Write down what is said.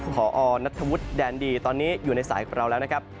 ห่ออณฑวุธดาณดีตอนนี้อยู่ในสายของเราแล้วนะครับ